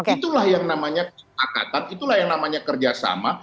itulah yang namanya kesepakatan itulah yang namanya kerjasama